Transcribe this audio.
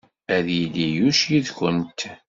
Ad yili Yuc yid-went.